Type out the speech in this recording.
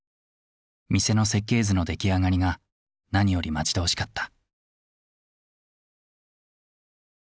店の設計図の出来上がりが何より待ち遠しかった。